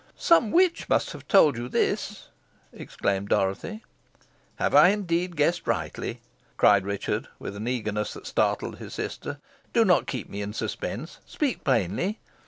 "Some witch must have told you this," exclaimed Dorothy. "Have I indeed guessed rightly?" cried Richard, with an eagerness that startled his sister. "Do not keep me in suspense. Speak plainly."